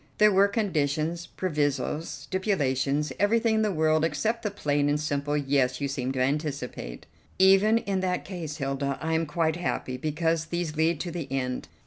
There were conditions, provisos, stipulations, everything in the world except the plain and simple 'Yes' you seemed to anticipate." "Even in that case, Hilda, I am quite happy, because these lead to the end.